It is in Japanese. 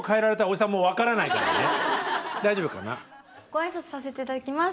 ご挨拶させて頂きます。